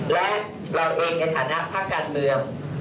และเราเองในฐานะภาคการเมือง